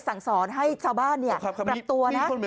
สั่งสอนให้ชาวบ้านปรับตัวนะ